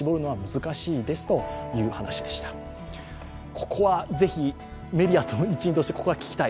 ここはぜひメディアの一員として聞きたい。